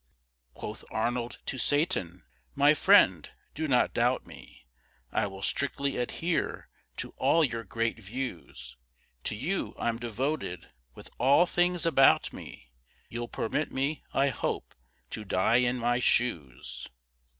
Quoth Arnold to Satan: "My friend, do not doubt me! I will strictly adhere to all your great views; To you I'm devoted, with all things about me You'll permit me, I hope, to die in my shoes."